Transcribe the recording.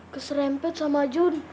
keserempet sama jun